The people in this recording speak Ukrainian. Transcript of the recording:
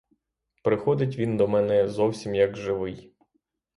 Приходить він до мене зовсім як живий.